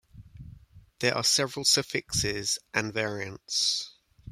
There are several suffixes and variants.